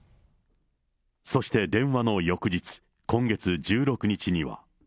そして電話の翌日、今月１６日には。